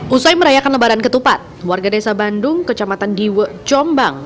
usai merayakan lebaran ketupat warga desa bandung kecamatan diwe jombang